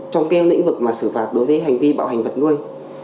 trong cái lĩnh vực mà xử phạt đối với hành vi bạo hành vật nuôi